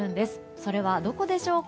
それはどこでしょうか？